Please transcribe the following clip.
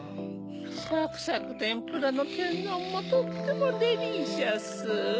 サクサクてんぷらのてんどんもとってもデリシャス。